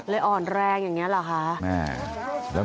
อ่อนแรงอย่างนี้เหรอคะ